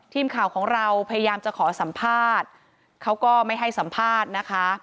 ทีมข่าวของเราพยายามจะขอสัมภาษณ์เขาก็ไม่ให้สัมภาษณ์นะคะ